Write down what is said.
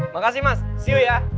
makasih mas see you ya